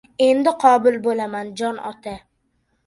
— Endi qobil bo‘laman, jon ota!